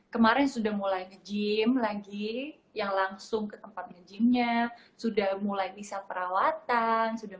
kemarin sudah mulai nge gym lagi yang langsung ke tempatnya gymnya sudah mulai misal perawatan sudah